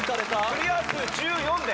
クリア数１４で。